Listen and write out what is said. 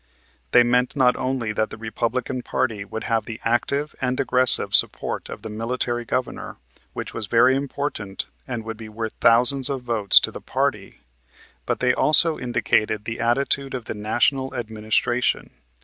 They meant not only that the Republican party would have the active and aggressive support of the Military Governor, which was very important and would be worth thousands of votes to the party, but they also indicated the attitude of the National Administration.